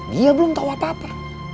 dia belum tahu apa apa